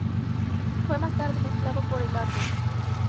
Fue más tarde remezclado para el álbum.